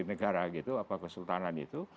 negara gitu kesultanan itu